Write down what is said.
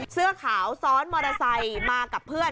เสื้อขาวซ้อนมอเตอร์ไซค์มากับเพื่อน